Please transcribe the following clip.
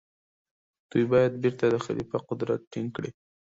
دوی باید بيرته د خليفه قدرت ټينګ کړي.